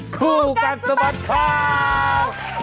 คู่กัดสบัดคอม